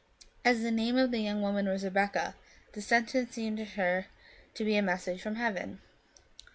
As the name of the young woman was Rebekah, the sentence seemed to her to be a message from heaven.